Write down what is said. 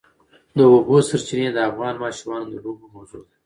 د اوبو سرچینې د افغان ماشومانو د لوبو موضوع ده.